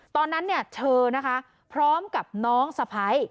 ตอนนั้นเธอพร้อมกับน้องสะพ้าย